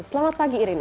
selamat pagi irina